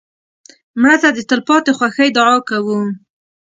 مړه ته د تلپاتې خوښۍ دعا کوو